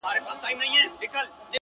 چي كله مخ ښكاره كړي ماته ځېرسي اې ه~